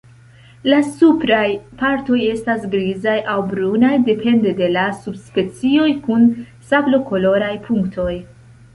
La supraj partoj estas grizaj aŭ brunaj, depende de la subspecio, kun sablokoloraj punktoj.